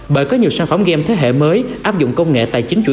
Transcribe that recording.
bởi có nhiều sản phẩm game thế hệ mới áp dụng công nghệ tài chính chuỗi